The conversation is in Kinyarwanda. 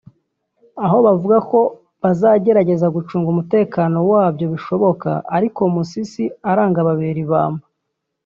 aho bavuga ko bazagerageza gucunga umutekano wa byo bishoboka ariko Musisi aranga ababera ibamba